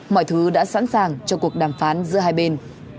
mọi thứ đã sẵn sàng cho cuộc đàm phán giữa hai bên